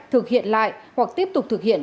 thực hiện lại hoặc tiếp tục thực hiện